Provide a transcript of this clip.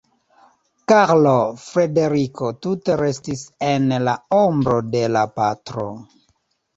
Karlo Frederiko tute restis en la ombro de la patro.